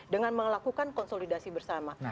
dengan melakukan konsolidasi bersama